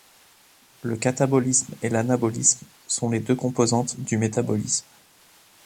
Le catabolisme et l'anabolisme sont les deux composantes du métabolisme.